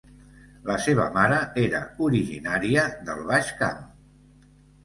La seva mare era originària del Baix Camp.